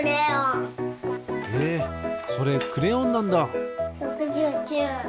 へえそれクレヨンなんだ。